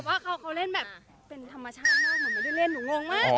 เหมือนไม่ได้เล่นหนูงงมาก